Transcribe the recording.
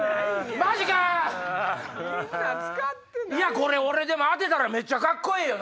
マジか⁉いやこれ俺でも当てたらめっちゃカッコええよな？